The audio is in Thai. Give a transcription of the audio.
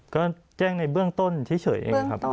ก็แจ้งในเบื้องต้นเฉยเองครับ